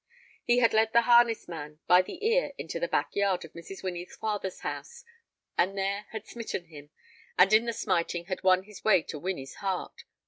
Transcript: He had led the harness man by the ear into the back yard of Mrs. Winnie's father's house, and there had smitten him, and in the smiting had won his way to Winnie's heart.